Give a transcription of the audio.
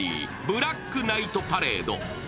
「ブラックナイトパレード」。